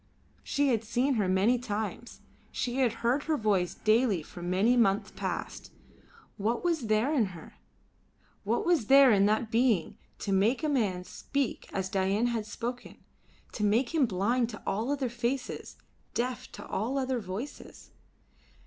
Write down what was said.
She had seen her many times; she had heard her voice daily for many months past. What was there in her? What was there in that being to make a man speak as Dain had spoken, to make him blind to all other faces, deaf to all other voices?